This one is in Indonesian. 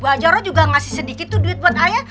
bu ajora juga ngasih sedikit tuh duit buat ayah